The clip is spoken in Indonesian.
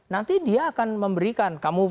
nanti dia akan memberikan kamufla